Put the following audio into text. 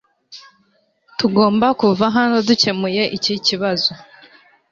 Tugomba kuva hano dukemuye iki kibazo .